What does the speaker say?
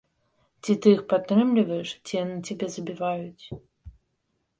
Ці ты іх падтрымліваеш, ці яны цябе забіваюць.